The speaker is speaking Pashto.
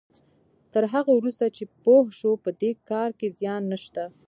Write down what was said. تر هغه وروسته چې پوه شو په دې کار کې زيان نشته.